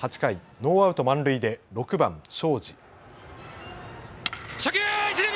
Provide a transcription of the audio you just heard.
ノーアウト満塁で６番・東海林。